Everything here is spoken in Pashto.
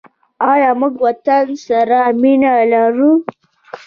آیا موږ وطن سره مینه لرو؟